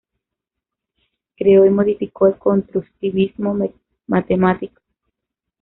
Creó y modificó el constructivismo matemático.